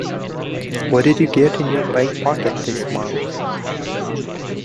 What did you get in your pay packet this month?